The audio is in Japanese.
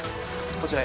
こちらへ。